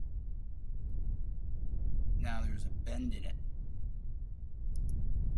Now there is a bend in it.